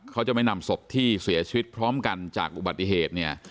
เขาจะไม่นำศพที่เสียชีวิตพร้อมกันจากอุบัติเหตุเนี่ย